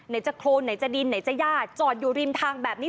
จะโครนไหนจะดินไหนจะย่าจอดอยู่ริมทางแบบนี้